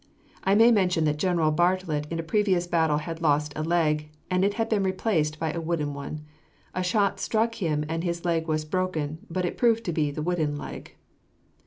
I may mention that General Bartlett in a previous battle had lost a leg, and it had been replaced by a wooden one. A shot struck him and his leg was broken, but it proved to be the wooden leg.